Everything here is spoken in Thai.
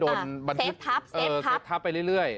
โอ้ยเซฟทัพเซฟทัพโอ้ยเซฟทัพไปเรื่อยโอ้ยโอ้ยโอ้ย